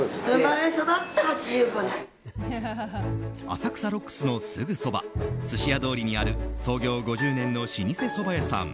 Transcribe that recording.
浅草ＲＯＸのすぐそばすしや通りにある創業５０年の老舗そば屋さん